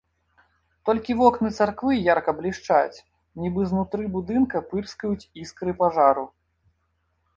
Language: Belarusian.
Толькі вокны царквы ярка блішчаць, нібы знутры будынка пырскаюць іскры пажару.